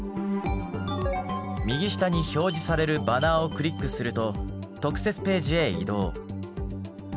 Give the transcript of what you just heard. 右下に表示されるバナーをクリックすると特設ページへ移動。